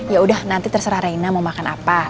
ya udah nanti terserah reina mau makan apa